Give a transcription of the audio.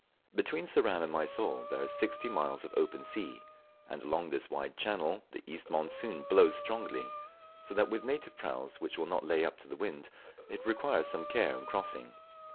Between Ceram and Mysol there are sixty miles of open sea, and along this wide channel the east monsoon blows strongly; so that with native praus, which will not lay up to the wind, it requires some care in crossing.